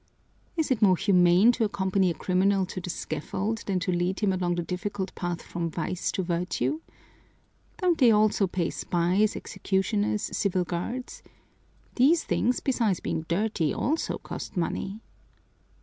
Is it more humane to accompany a criminal to the scaffold than to lead him along the difficult path from vice to virtue? Don't they also pay spies, executioners, civil guards? These things, besides being dirty, also cost money."